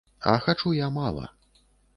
А хачу я мала.